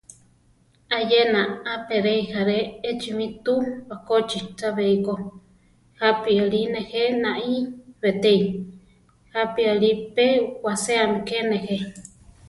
Ayena a peréi járe echimi túu bakóchi chabéiko, jápi Ali nejé naí betéi, jápi Ali pe waséami ke nejé.